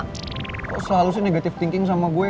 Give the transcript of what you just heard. selalu sih negative thinking sama gue